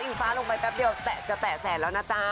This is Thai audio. อีกฟ้าลงไปแปปเดียวจะแต่แสนแล้วนะจ๊ะ